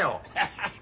ハハハ！